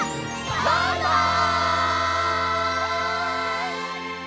バイバイ！